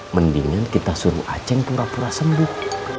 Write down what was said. mendingan kita suruh aceh pura pura sembuh